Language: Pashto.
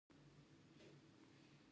ډيپلوماسي د بهرني سیاست اساسي وسیله ده.